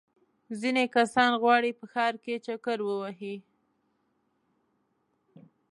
ځینې کسان غواړي په ښار کې چکر ووهي.